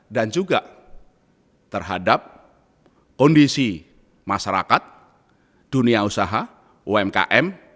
dan juga terhadap kondisi masyarakat dunia usaha umkm